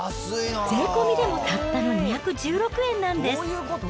税込みでもたったの２１６円なんです。